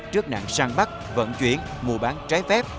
trước nạn sang bắt vận chuyển mua bán trái phép